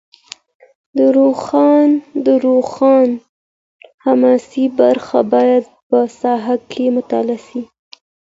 د روښان حماسي برخه باید په ساحه کي مطالعه سي.